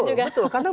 karena memang mungkin